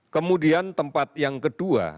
kemudian tempat yang kedua